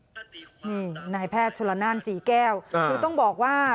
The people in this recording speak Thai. นี่นายแพทย์ชนละนานศรีแก้วคือต้องบอกว่า